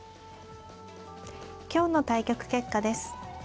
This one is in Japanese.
今日の対局結果です。